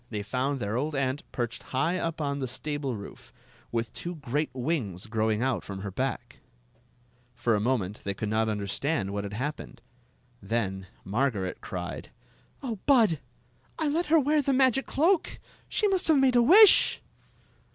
they found their old aunt perched high up on t stable root" with two great wings growing out fron her back For a moment they could not understand what had happened. Then Margaret cried: Queen Zixi of Ix; or, the Oh, Bud, I let her wear the magic cloak! She must have made a wish!"